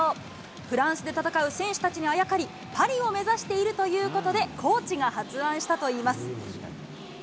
フランスで戦う選手たちにあやかり、パリを目指しているということで、コーチが発案したといいます。